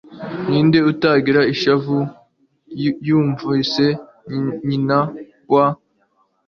ninde utagira ishavu, yibutse nyina wa